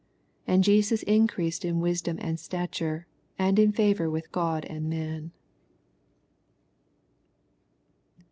62 And Jesus increased in wisdom and stature, and in &vor with God and man.